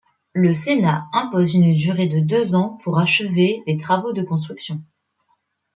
Le Sénat impose une durée de deux ans pour achever les travaux de construction.